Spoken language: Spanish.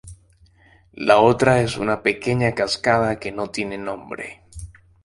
La otra es una pequeña cascada que no tiene nombre.